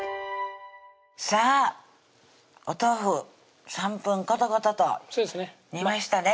さぁお豆腐３分ことことと煮ましたね